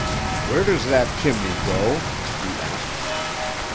"Where does that chimney go?" he asked.